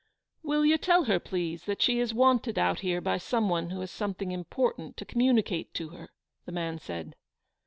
" Will you tell her, please, that she is wanted out here by some one who has something im portant to communicate to her," the man said.